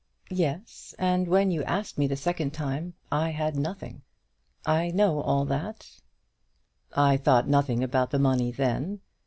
"Yes; and when you asked me the second time I had nothing. I know all that." "I thought nothing about the money then.